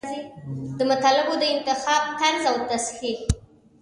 د مطالبو د انتخاب طرز او تصحیح.